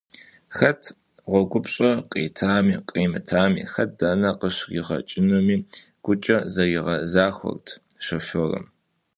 Хэт гъуэгупщӏэр къритами къримытами, хэт дэнэ къыщригъэкӏынуми гукӏэ зэригъэзахуэрт шофёрым.